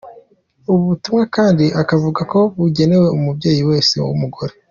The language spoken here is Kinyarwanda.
Ubu butumwa kandi akavuga ko bugenewe umubyeyi wese w’umugore.